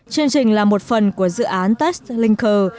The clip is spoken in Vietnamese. chương trình là một phần của dự án tech linker